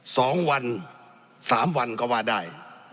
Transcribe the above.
สองวันสามวันก็ว่าได้